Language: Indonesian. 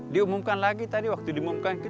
diumumkan lagi tadi waktu diumumkan